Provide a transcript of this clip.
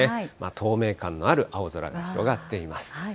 透明感のある青空が広がっています。